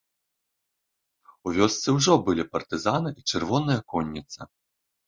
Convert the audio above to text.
У вёсцы ўжо былі партызаны і чырвоная конніца.